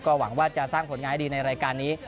หวังว่าจะสร้างผลงานให้ดีในรายการนี้